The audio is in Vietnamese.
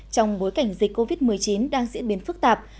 trong bối cảnh dịch covid một mươi chín đang diễn biến phức tạp